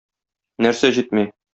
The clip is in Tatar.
Нәрсә җитми?